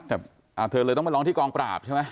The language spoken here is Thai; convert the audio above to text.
แต่เธอเลยต้องไปร้องที่กองปราบใช่ไหม